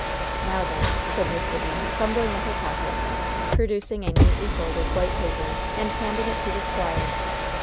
"Now, then!" said Miss Sibby, fumbling in her pocket, producing a neatly folded, white paper, and handing it to the squire.